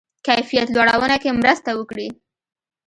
کیفیت لوړونه کې مرسته وکړي.